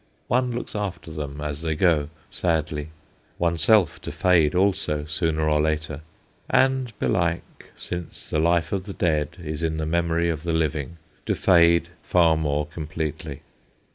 One looks after them as they go, sadly, oneself to fade also, sooner or later, and belike since the life of the dead is in the memory of the living to fade far more completely.